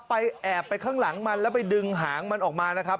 แอบไปข้างหลังมันแล้วไปดึงหางมันออกมานะครับ